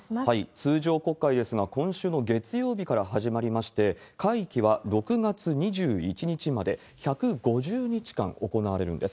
通常国会ですが、今週の月曜日から始まりまして、会期は６月２１日まで、１５０日間行われるんです。